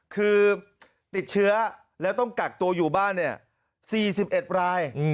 คือติดเชื้อแล้วต้องกักตัวอยู่บ้าน๔๑ราย